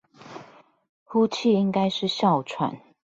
呼氣應該是哮喘